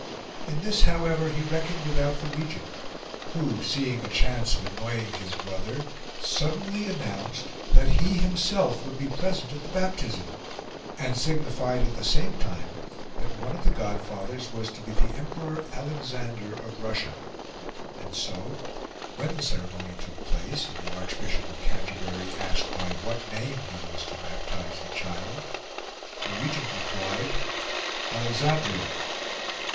In this, however, he reckoned without the Regent, who, seeing a chance of annoying his brother, suddenly announced that he himself would be present at the baptism, and signified at the same time that one of the godfathers was to be the Emperor Alexander of Russia. And so when the ceremony took place, and the Archbishop of Canterbury asked by what name he was to baptise the child, the Regent replied "Alexandria."